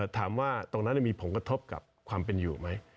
ถามว่าตรงนั้นมีผลกระทบกับความเป็นอยู่ไหม